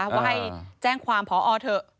ว่าให้แจ้งความพอเถอะ